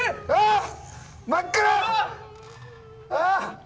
真っ暗！